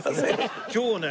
今日ね